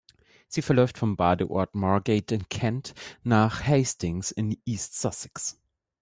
Sie verläuft vom Badeort Margate in Kent nach Hastings in East Sussex.